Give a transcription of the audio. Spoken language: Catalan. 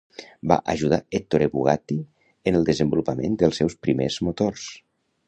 Va ajudar Ettore Bugatti en el desenvolupament dels seus primers motors.